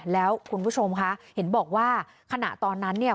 แล้วคุณผู้ชมคะเห็นบอกว่าขณะตอนนั้นเนี่ย